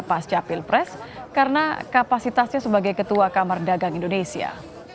pasca pilpres karena kapasitasnya sebagai ketua kamar dagang indonesia